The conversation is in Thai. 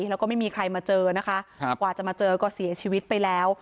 แล้วก็ไม่มีใครมาเจอนะคะกว่าจะมาเจอก็เสียชีวิตไปแล้ว